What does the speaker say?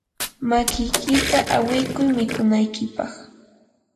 makiykita awikuy mikunaykipaq.